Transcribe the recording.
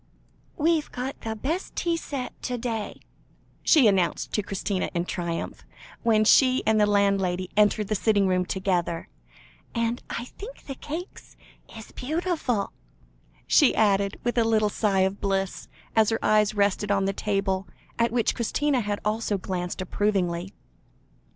"We've got the best tea set to day," she announced to Christina in triumph, when she and the landlady entered the sitting room together, "and I think the cakes is beautiful," she added, with a little sigh of bliss, as her eyes rested on the table, at which Christina had also glanced approvingly.